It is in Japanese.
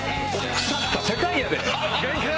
腐った世界やで！